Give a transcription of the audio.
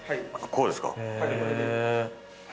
こうですか。